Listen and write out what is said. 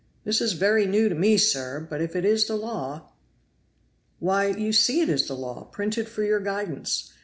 "This is very new to me, sir; but if it is the law " "Why, you see it is the law, printed for your guidance.